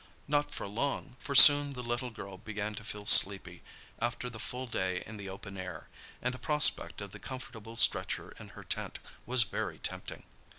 Not for long, for soon the little girl began to feel sleepy after the full day in the open air, and the prospect of the comfortable stretcher in her tent was very tempting.